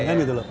kan gitu loh